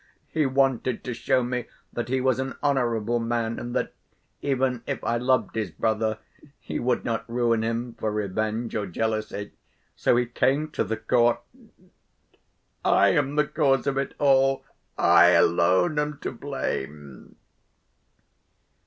He wanted to show me that he was an honorable man, and that, even if I loved his brother, he would not ruin him for revenge or jealousy. So he came to the court ... I am the cause of it all, I alone am to blame!"